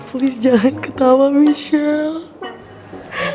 please jangan ketawa michelle